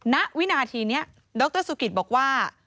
ณณณที่นี้ดรสุกิลบอกว่า